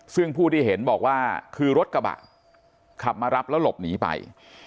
ซึ่งผู้ที่เห็นบอกว่าคือรถกระบะขับมารับแล้วหลบหนีไป